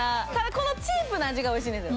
このチープな味がおいしいんですよ。